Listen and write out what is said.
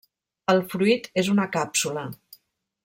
El fruit és una càpsula.